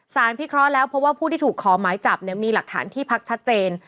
พิเคราะห์แล้วเพราะว่าผู้ที่ถูกขอหมายจับเนี่ยมีหลักฐานที่พักชัดเจน